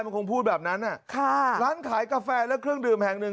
มันคงพูดแบบนั้นอ่ะค่ะร้านขายกาแฟและเครื่องดื่มแห่งหนึ่ง